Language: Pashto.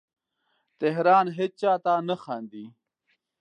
تهران هیچا ته نه خاندې